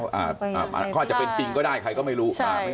เขาอาจจะเป็นจริงก็ได้ใครก็ไม่รู้